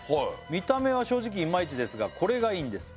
「見た目は正直いまいちですがこれがいいんです」